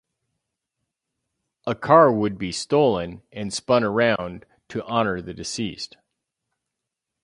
A car would be stolen and spun around to honor the deceased.